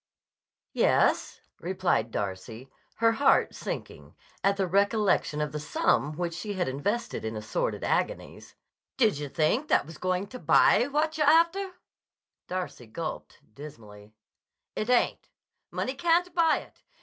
"Yes," replied Darcy, her heart sinking, at the recollection of the sum which she had invested in assorted agonies. "Did yah think that was going to buy yah what yah'r after?" Darcy gulped dismally. "It ain't. Money can't buy it.